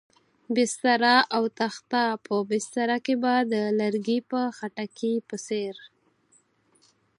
بستره او تخته، په بستره کې به د لرګي په خټکي په څېر.